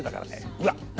うわっ何